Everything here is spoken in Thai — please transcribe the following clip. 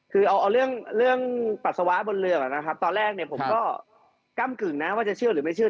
คือเอาเรื่องเรื่องปัสสาวะบนเรือก่อนนะครับตอนแรกเนี่ยผมก็ก้ำกึ่งนะว่าจะเชื่อหรือไม่เชื่อ